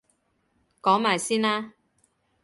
講埋先啦